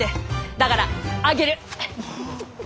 だからあげる！